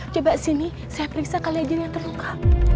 coba sini saya periksa kalian jadi yang terluka